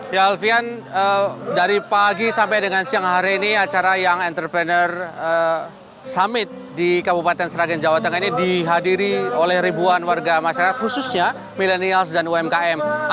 ya alfian dari pagi sampai dengan siang hari ini acara young entrepreneur summit di kabupaten sragen jawa tengah ini dihadiri oleh ribuan warga masyarakat khususnya milenials dan umkm